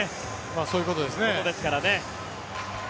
そういうことですね。